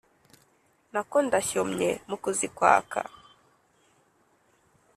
Nako ndashyomye mukuzikwaka